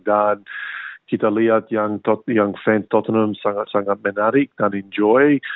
dan kita lihat yang fans tottenham sangat sangat menarik dan enjoy